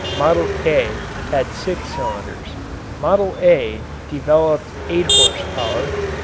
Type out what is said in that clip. "Model K" had six cylinders. "Model A" developed eight horsepower.